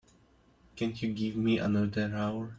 Can't you give me another hour?